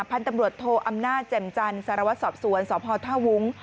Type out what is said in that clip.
พันธุ์ตำรวจโทอำนาจแจ่มจันทร์สารวัตรสอบสวนสพท่าวุ้ง